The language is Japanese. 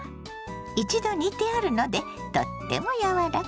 一度煮てあるのでとっても柔らか。